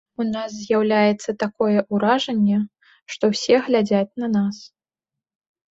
У нас з'яўляецца такое ўражанне, што ўсе глядзяць на нас.